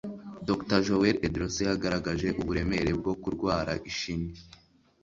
Dr Joel Edroso yagaragaje uburemere bwo kurwara ishinya